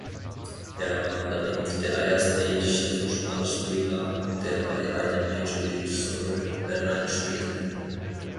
Er war damit der erste indische Fußballspieler, der bei einem Major-League-Soccer-Verein spielte.